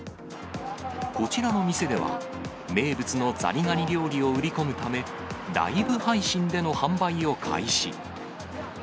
こちらの店では、名物のザリガニ料理を売り込むため、ライブ配信での販売を開始。